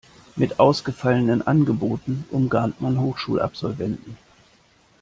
Mit ausgefallenen Angeboten umgarnt man Hochschulabsolventen.